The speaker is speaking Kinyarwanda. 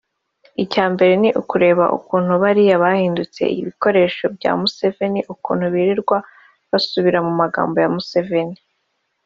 Icya mbere ni ukureba ukuntu bariya bahindutse ibikoresho bya Museveni ukuntu birirwa basubira mu magambo ya Museveni